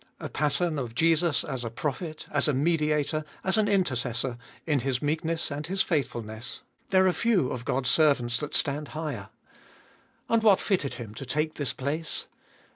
A pattern of Jesus as a prophet, as a mediator, as an intercessor, in his meekness and his faithfulness, there are few of God's servants that stand higher. And what fitted him to take this place?